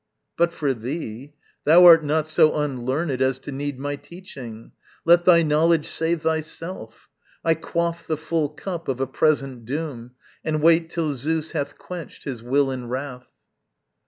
But for thee, Thou art not so unlearned as to need My teaching let thy knowledge save thyself. I quaff the full cup of a present doom, And wait till Zeus hath quenched his will in wrath.